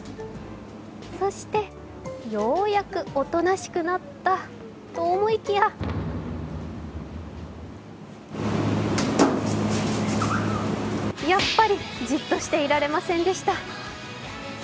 そしてようやくおとなしくなったと思いきややっぱり、じっとしていられませんでした。